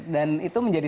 dan itu menjadi